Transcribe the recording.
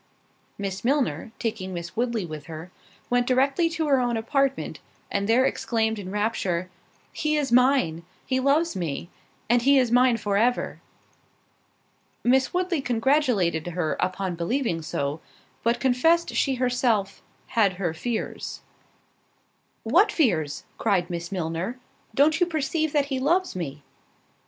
Miss Milner, taking Miss Woodley with her, went directly to her own apartment, and there exclaimed in rapture, "He is mine—he loves me—and he is mine for ever." Miss Woodley congratulated her upon believing so, but confessed she herself "Had her fears." "What fears?" cried Miss Milner: "don't you perceive that he loves me?"